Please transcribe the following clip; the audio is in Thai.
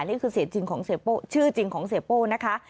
นี่คือชื่อจริงของเสียโป้นะคะ